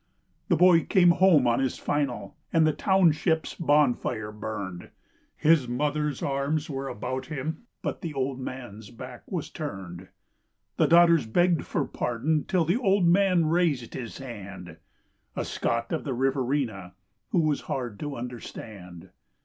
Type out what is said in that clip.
The boy came home on his "final," and the township's bonfire burned. His mother's arms were about him ; but the old man's back was turned. The daughters begged for pardon till the old man raised his hand A Scot of the Riverina who was hard to understand.